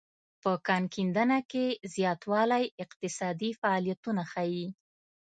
په کان کیندنه کې زیاتوالی اقتصادي فعالیتونه ښيي